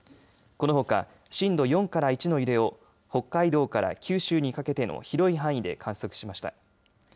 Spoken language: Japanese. このほか震度４から１の揺れを北海道から九州にかけての広い範囲で観測しました。